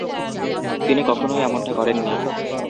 তিনি কখনই এমনটা করেননি।